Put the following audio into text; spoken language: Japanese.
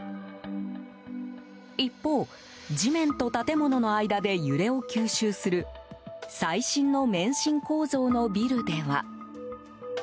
一方、地面と建物の間で揺れを吸収する最新の免震構造のビルでは。